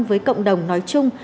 với cộng đồng nói chung